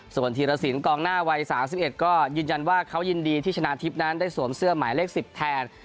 ส่วนธีรสินกองหน้าวัย๓๑ก็ยืนยันว่าเขายินดีที่ชนะทิพย์นั้นได้สวมเสื้อหมายเลข๑๐แทน